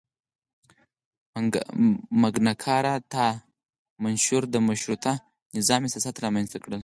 مګناکارتا منشور د مشروطه نظام اساسات رامنځته کړل.